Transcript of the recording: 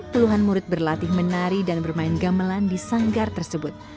puluhan murid berlatih menari dan bermain gamelan di sanggar tersebut